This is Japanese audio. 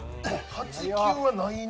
８、９はいないな。